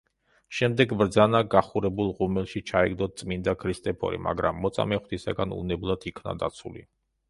შემდეგ ბრძანა, გახურებულ ღუმელში ჩაეგდოთ წმინდა ქრისტეფორე, მაგრამ მოწამე ღვთისგან უვნებლად იქნა დაცული.